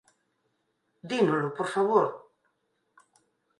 Dínolo, por favor.